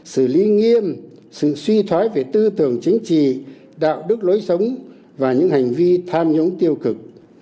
xử lý nghiêm sự suy thoái về tư tưởng chính trị đạo đức lối sống và những hành vi tham nhũng tiêu cực